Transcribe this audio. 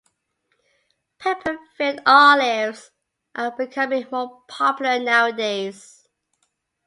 Pepper-filled olives are becoming more popular nowadays.